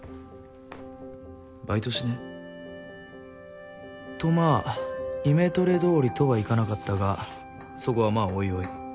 バイトしねぇ？とまあイメトレどおりとはいかなかったがそこはまあおいおい。